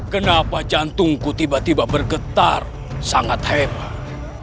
kenapa jantungku tiba tiba bergetar sangat hebat